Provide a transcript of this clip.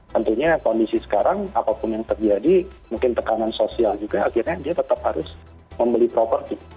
tentunya kondisi sekarang apapun yang terjadi mungkin tekanan sosial juga akhirnya dia tetap harus membeli properti